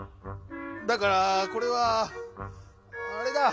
⁉だからこれはあれだ。